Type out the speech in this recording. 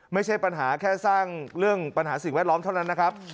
ไม่ใช่ปัญหาแค่สร้างเรื่องปัญหาสิ่งแวดล้อมเท่านั้นนะครับ